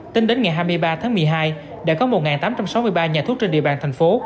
tính đến ngày hai mươi ba tháng một mươi hai đã có một tám trăm sáu mươi ba nhà thuốc trên địa bàn thành phố